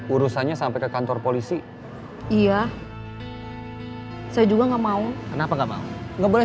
urusannya sampai ke kantor polisi iya saya juga nggak mau kenapa nggak mau nggak boleh